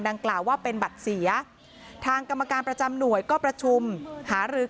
ดังกล่าวว่าเป็นบัตรเสียทางกรรมการประจำหน่วยก็ประชุมหารือ